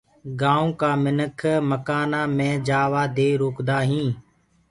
گآئونٚ ڪآ منک مڪآنآ مي جآوآ دي روڪدآ هينٚ۔